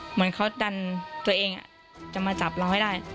เหมือนเขาดันตัวเองจะมาจับเราให้ได้